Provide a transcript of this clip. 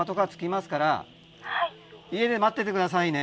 家で待ってて下さいね。